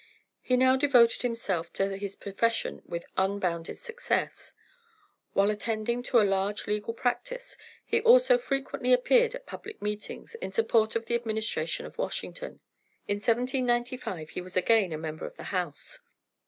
He now devoted himself to his profession with unbounded success. While attending to a large legal practice, he also frequently appeared at public meetings in support of the administration of Washington. In 1795 he was again a member of the House.